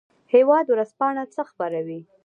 هیواد ورځپاڼه څه خپروي؟